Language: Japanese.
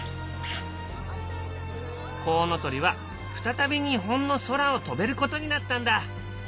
コウノトリは再び日本の空を飛べることになったんだ。